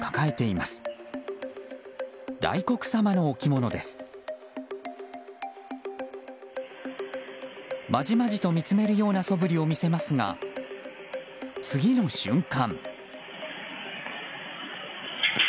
まじまじと見つめるようなそぶりを見せますが次の瞬間。